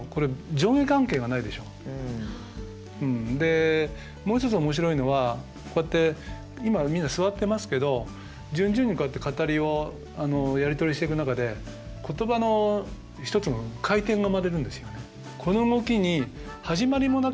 でもう一つ面白いのはこうやって今みんな座ってますけど順々にこうやって語りをやり取りしていく中で言葉の一つの回転が生まれるんですよね。